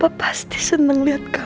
mama pasti seneng liat kamu